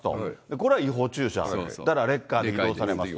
これは違法駐車、だからレッカーで移動されますと。